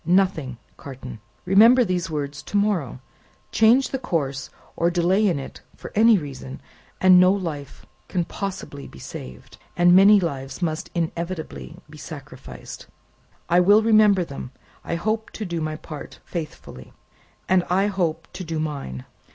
"Nothing, Carton." "Remember these words to morrow: change the course, or delay in it for any reason and no life can possibly be saved, and many lives must inevitably be sacrificed." "I will remember them. I hope to do my part faithfully." "And I hope to do mine.